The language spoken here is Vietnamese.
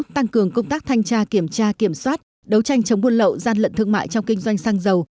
tăng cường công tác thanh tra kiểm tra kiểm soát đấu tranh chống buôn lậu gian lận thương mại trong kinh doanh xăng dầu